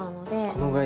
このぐらい。